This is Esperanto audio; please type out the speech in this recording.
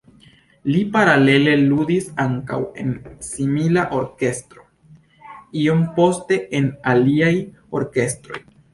Li paralele ludis ankaŭ en simila orkestro, iom poste en aliaj orkestroj.